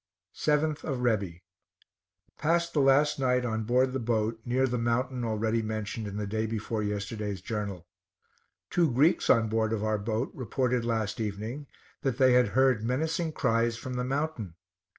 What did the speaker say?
7th of Rebi. Passed the last night on board the boat, near the mountain already mentioned in the day before yesterday's journal. Two Greeks on board of our boat reported last evening, that they had heard menacing cries from the mountain.